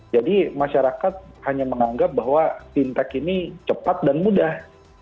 jadi masyarakat hanya menganggap bahwa fintech ini cepat dan mudah